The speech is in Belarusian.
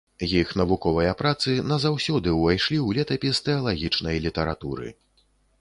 Іх навуковыя працы назаўсёды ўвайшлі ў летапіс тэалагічнай літаратуры.